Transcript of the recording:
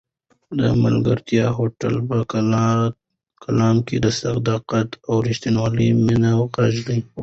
د ملکیار هوتک په کلام کې د صداقت او رښتونې مینې غږ دی.